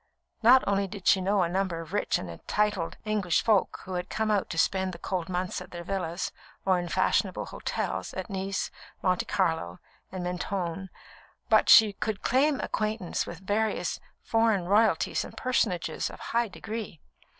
Not only did she know a number of rich and titled English folk, who had come out to spend the cold months at their villas, or in fashionable hotels, at Nice, Monte Carlo, and Mentone, but she could claim acquaintance with various foreign royalties and personages of high degree.